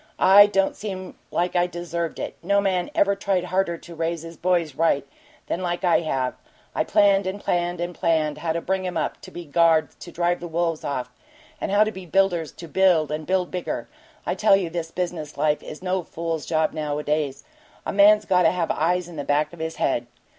It don't seem like I deserved it no man ever tried harder to raise his boys right than I have. I planned and planned and planned how to bring 'em up to be guards to drive the wolves off, and how to be builders to build, and build bigger. I tell you this business life is no fool's job nowadays a man's got to have eyes in the back of his head.